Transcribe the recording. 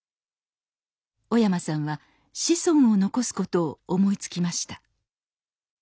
小山さんは子孫を残すことを思いつきました。